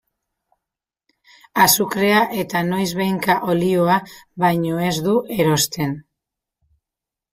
Azukrea eta noizbehinka olioa baino ez du erosten.